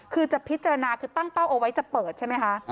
คือจะพิจารณาคือตั้งเป้าเอาไว้จะเปิดใช่ไหมคะ